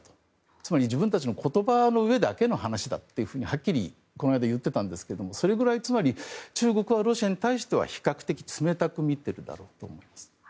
つまり自分たちの言葉の上だけの話だとはっきりこの間、言っていたんですがそれぐらい、つまり中国はロシアに対しては比較的冷たく見ているだろうと思います。